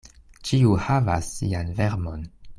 Ĉiu havas sian vermon.